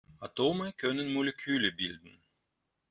Atome können Moleküle bilden.